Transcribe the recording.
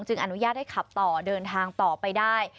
อนุญาตให้ขับต่อเดินทางต่อไปได้